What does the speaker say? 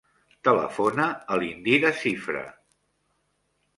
Telefona a l'Indira Cifre.